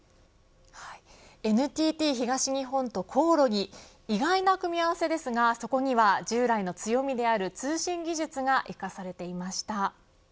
ＮＴＴ東日本とコオロギ意外な組み合わせですがそこには従来の強みである通信技術が生かされていました。